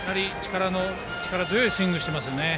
力強いスイングをしていますね。